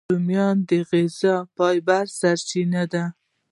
رومیان د غذایي فایبر سرچینه ده